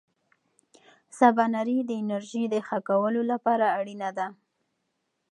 سباناري د انرژۍ د ښه کار لپاره اړینه ده.